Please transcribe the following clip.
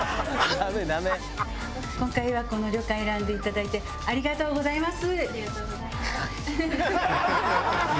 今回はこの旅館を選んでいただいてありがとうございます。